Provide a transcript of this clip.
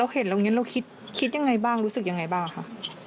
เราเห็นแล้วเราก็คิดอย่างไรบ้างรู้สึกอย่างไรบ้างคะ